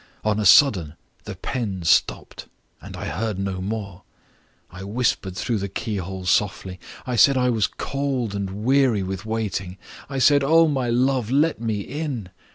On a sudden, the pen stopped; and I heard no more. I whispered through the keyhole softly; I said I was cold and weary with waiting; I said, Oh, my love, let me in!